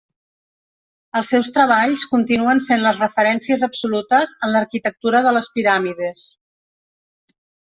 Els seus treballs continuen sent les referències absolutes en l'arquitectura de les piràmides.